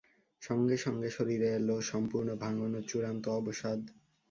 সঙ্গে সঙ্গে শরীরে এল সম্পূর্ণ ভাঙন ও চূড়ান্ত অবসাদ।